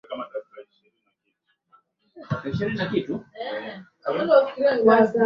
Kikohozi hafifu kupumua upesiupesi na kwa juujuu na kutokwa na mate